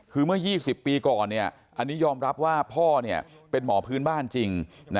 คือเมื่อ๒๐ปีก่อนอันนี้ยอมรับว่าพ่อเป็นหมอพื้นบ้านจริง